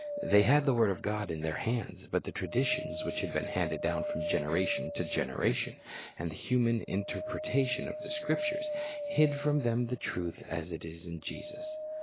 They had the word of God in their hands; but the traditions which had been handed down from generation to generation, and the human inter pretation of the Scriptures, hid from them the truth as it is in Jesus.